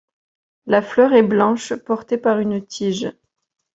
La fleur est blanche, portée par une tige.